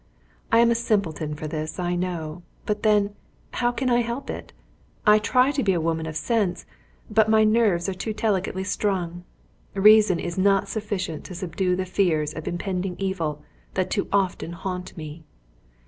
I am a simpleton for this, I know; but then, how can I help it? I try to be a woman of sense, but my nerves are too delicately strung. Reason is not sufficient to subdue the fears of impending evil that too often haunt me.